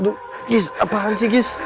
aduh gis apaan sih gis